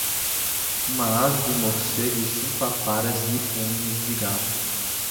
uma asa de morcego e cinco aparas de unhas de gato.